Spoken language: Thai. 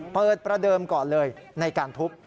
ประเดิมก่อนเลยในการทุบ